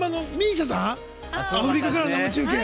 アフリカから生中継。